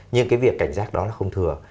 nhưng cái việc cảnh giác đó là không thừa